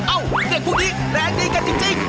เด็กพวกนี้แรงดีกันจริง